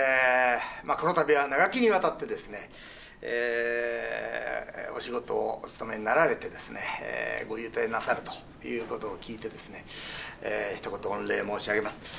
このたびは長きにわたってお仕事をお勤めになられてご勇退なさるということを聞いてひと言御礼申し上げます。